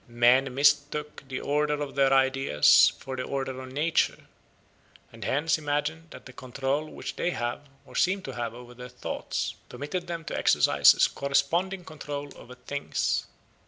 Men mistook the order of their ideas for the order of nature, and hence imagined that the control which they have, or seem to have, over their thoughts, permitted them to exercise a corresponding control over things.